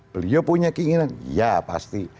beliau punya keinginan ya pasti